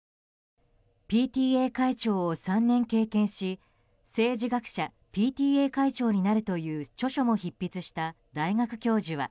ＰＴＡ会長を３年経験し「政治学者、ＰＴＡになる」という著書も執筆した大学教授は。